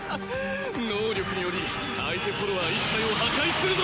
能力により相手フォロワー１体を破壊するぞ！